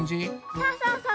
そうそうそう。